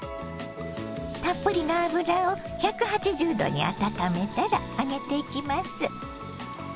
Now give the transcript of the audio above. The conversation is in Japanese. たっぷりの油を１８０℃に温めたら揚げていきます。